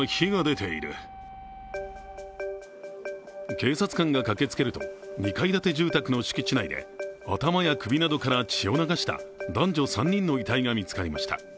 警察官が駆けつけると、２階建て住宅の敷地内で頭や首などから血を流した男女３人の遺体が見つかりました。